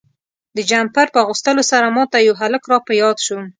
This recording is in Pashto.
د جمپر په اغوستلو سره ما ته یو هلک را په یاد شو.